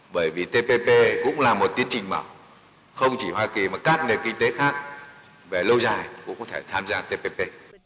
bởi vì tpp cũng là một tiến trình mở không chỉ hoa kỳ mà các nền kinh tế khác về lâu dài cũng có thể tham gia tpp